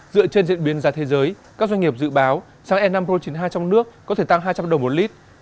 dựa trên diễn biến giá thế giới các doanh nghiệp dự báo xăng e năm ro chín mươi hai trong nước có thể tăng hai trăm linh đồng một lít